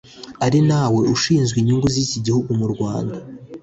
ari nawe ushinzwe inyungu z’iki gihugu mu Rwanda